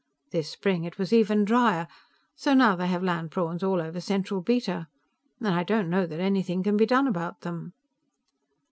This spring, it was even drier, so now they have land prawns all over central Beta. And I don't know that anything can be done about them."